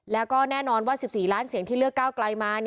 แล้วก็แน่นอนว่า๑๔ล้านเสียงที่เลือกก้าวไกลมา